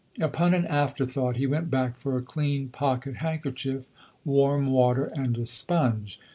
Upon an after thought he went back for a clean pocket handkerchief, warm water and a sponge.